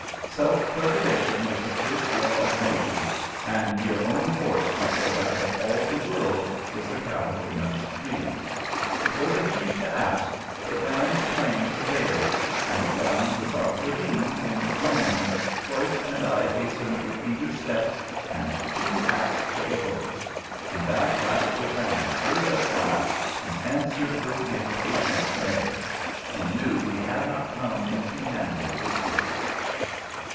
"Self preservation is the first law of nature," and your own horse before that of all the world is the cavalryman's creed. It was a heap to ask, but Van's claim prevailed, and down the dark ravine "in the gloaming" Preuss and I hastened with eager steps and two hats full of oats; and that rascal Van heard us laugh, and answered with impatient neigh. He knew we had not come empty handed this time.